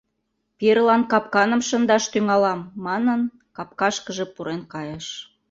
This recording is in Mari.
Пирылан капканым шындаш тӱҥалам, — манын, капкашкыже пурен кайыш.